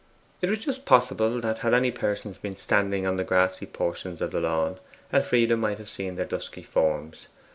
It was just possible that, had any persons been standing on the grassy portions of the lawn, Elfride might have seen their dusky forms.